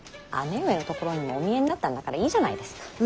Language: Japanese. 姉上のところにもお見えになったんだからいいじゃないですか。